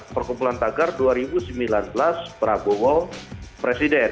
perkumpulan tagar dua ribu sembilan belas prabowo presiden